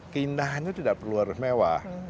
keindahannya tidak perlu harus mewah